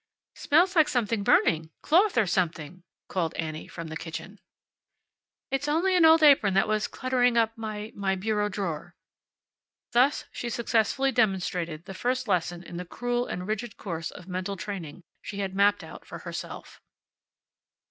"Smells like something burning cloth, or something," called Annie, from the kitchen. "It's only an old apron that was cluttering up my my bureau drawer." Thus she successfully demonstrated the first lesson in the cruel and rigid course of mental training she had mapped out for herself.